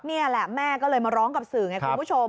นี่แหละแม่ก็เลยมาร้องกับสื่อไงคุณผู้ชม